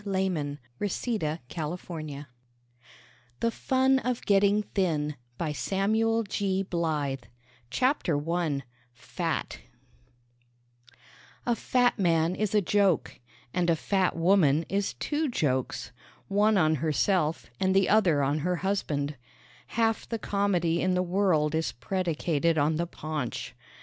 Facing the Tissue THE FUN OF GETTING THIN CHAPTER I FAT A fat man is a joke; and a fat woman is two jokes one on herself and the other on her husband. Half the comedy in the world is predicated on the paunch.